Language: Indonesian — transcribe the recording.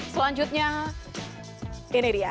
selanjutnya ini dia